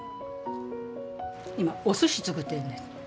今おすし作ってるんです。